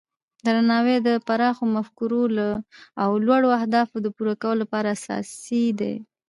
درناوی د پراخو مفکورو او لوړو اهدافو د پوره کولو لپاره اساسي دی.